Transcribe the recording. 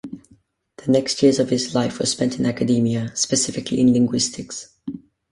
The next years of his life were spent in academia, specifically in linguistics.